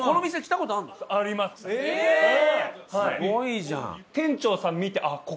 すごいじゃん。